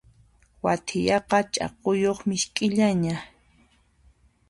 Wathiyaqa ch'akuyuq misk'illana.